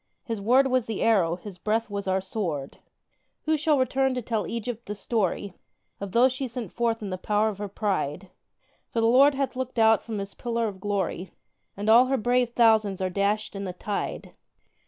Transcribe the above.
His word was the arrow, His breath was our sword! Who shall return to tell Egypt the story Of those she sent forth in the power of her pride? For the Lord hath looked out from His pillar of glory, And all her brave thousands are dashed in the tide.